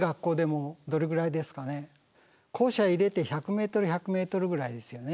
校舎入れて１００ｍ１００ｍぐらいですよね。